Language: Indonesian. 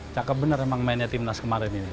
cakep bener emang mainnya timnas kemarin ini